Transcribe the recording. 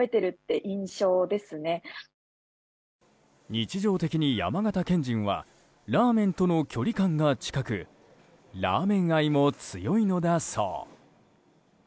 日常的に山形県人はラーメンとの距離感が近くラーメン愛も強いのだそう。